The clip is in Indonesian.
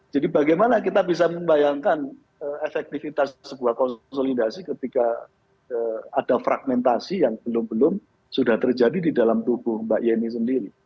jadi bagaimana kita bisa membayangkan efektivitas sebuah konsolidasi ketika ada fragmentasi yang belum belum sudah terjadi di dalam tubuh mbak yeni sendiri